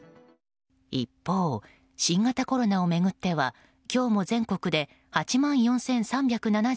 一方、新型コロナを巡っては今日も全国で８万４３７５人。